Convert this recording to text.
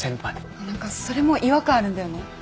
ああ何かそれも違和感あるんだよね。